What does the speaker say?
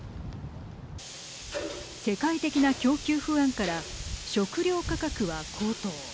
世界的な供給不安から食料価格は高騰。